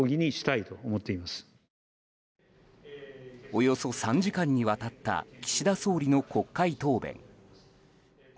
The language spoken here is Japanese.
およそ３時間にわたった岸田総理の国会答弁。